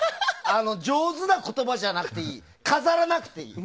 上手な言葉じゃなくていい飾らなくていい。